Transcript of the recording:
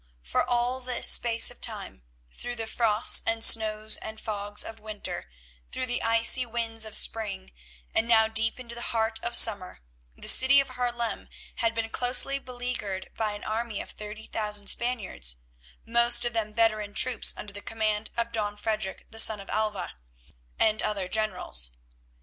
For all this space of time, through the frosts and snows and fogs of winter, through the icy winds of spring, and now deep into the heart of summer, the city of Haarlem had been closely beleaguered by an army of thirty thousand Spaniards, most of them veteran troops under the command of Don Frederic, the son of Alva, and other generals.